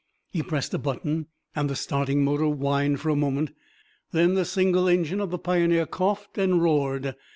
He pressed a button and the starting motor whined for a moment. Then the single engine of the Pioneer coughed and roared.